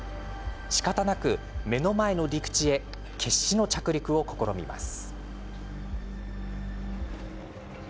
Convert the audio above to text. しかたなく、目の前の陸地へ決死の着陸を試みます。